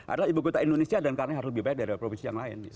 adalah ibu kota indonesia dan karena harus lebih baik dari provinsi yang lain